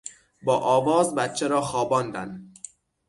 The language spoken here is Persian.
با آواز بچه را خواباندن